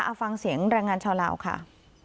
เอาฟังเสียงแรงงานชาวลาวค่ะ